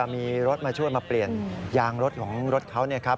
มีรถมาช่วยมาเปลี่ยนยางรถของรถเขา